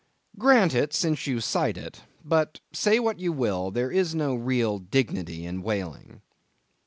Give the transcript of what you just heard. Grant it, since you cite it; but, say what you will, there is no real dignity in whaling.